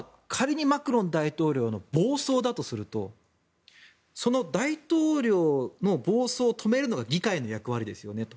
仮にマクロン大統領の暴走だとするとその大統領の暴走を止めるのが議会の役割ですよねと。